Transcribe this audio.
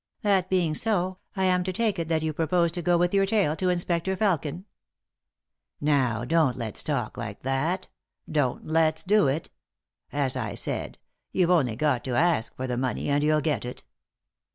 That being so, am I to take it that you propose to go with your tale to Inspector Felkin ?"" Now, don't let's talk like that 1— don't let's do it 1 As I said, you've only got to ask for the money, and you'll get it."